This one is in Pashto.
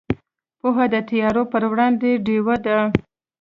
پوهه د تیارو پر وړاندې ډیوه ده.